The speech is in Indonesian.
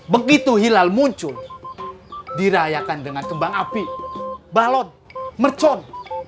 begitu hilal muncul dirayakan dengan kembang api balon mercon